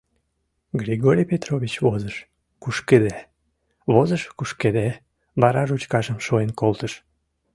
Григорий Петрович возыш — кушкеде, возыш — кушкеде, вара ручкажым шуэн колтыш...